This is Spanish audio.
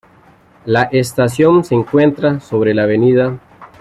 La estación se encuentra sobre la "Av.